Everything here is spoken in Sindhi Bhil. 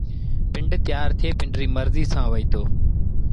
پنڊ تيآر ٿئي پنڊريٚ مرزيٚ سآݩٚ وهيٚتو